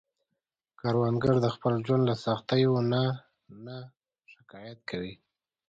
کروندګر د خپل ژوند له سختیو نه نه شکايت کوي